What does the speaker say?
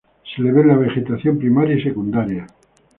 Se le ve en la vegetación primaria y secundaria.